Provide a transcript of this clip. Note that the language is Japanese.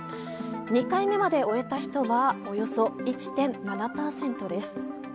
２回目まで終えた人はおよそ１．７％です。